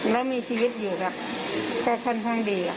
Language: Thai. แล้วมีชีวิตอยู่แบบก็ค่อนข้างดี